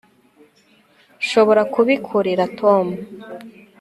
nshobora kubikorera tom